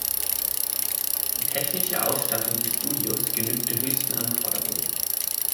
Die technische Ausstattung des Studios genügte höchsten Anforderungen.